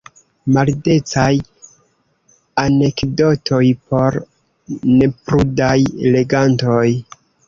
Maldecaj anekdotoj por neprudaj legantoj.